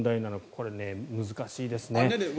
これ、難しいですね。